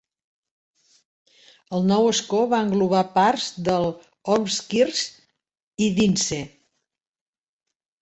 El nou escó va englobar parts dels d'Ormskirk i d'Ince.